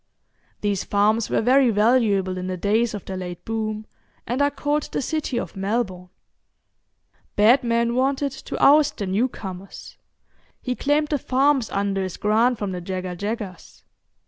These farms were very valuable in the days of the late boom, and are called the city of Melbourne. Batman wanted to oust the newcomers; he claimed the farms under his grant from the Jagga Jaggas.